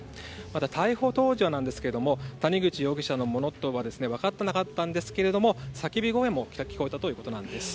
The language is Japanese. また逮捕当時は谷口容疑者のものとは分かってなかったんですが叫び声も聞こえたということなんです。